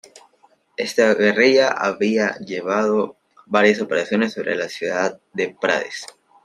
Esta guerrilla había llevado varias operaciones sobre la ciudad de Prades.